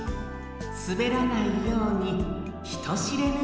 すべらないようにひとしれぬ